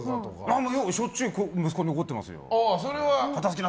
しょっちゅう息子に怒ってますよ。